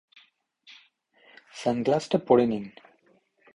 সানগ্লাসটা পড়ে নিন।